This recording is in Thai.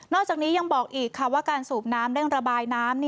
จากนี้ยังบอกอีกค่ะว่าการสูบน้ำเร่งระบายน้ำ